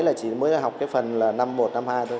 là chỉ mới học cái phần là năm một năm hai thôi